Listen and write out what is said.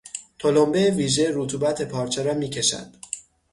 تلمبه ویژه رطوبت پارچه را میکشد.